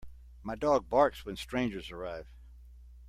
My dog barks when strangers arrive.